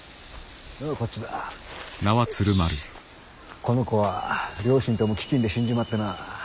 この子は両親とも飢饉で死んじまってな。